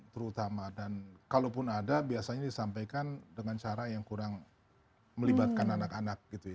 terutama dan kalaupun ada biasanya disampaikan dengan cara yang kurang melibatkan anak anak gitu ya